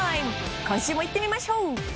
今週もいってみましょう。